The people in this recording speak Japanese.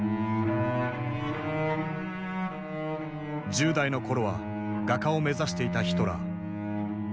１０代の頃は画家を目指していたヒトラー。